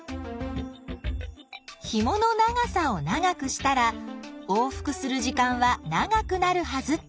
ひもの長さを長くしたら往復する時間は長くなるはずって考えたんだね。